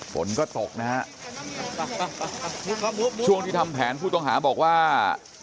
ฝนก็ตกนะฮะช่วงที่ทำแผนผู้ต้องหาบอกว่า